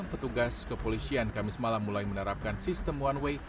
petugas kepolisian kamis malam mulai menerapkan sistem one way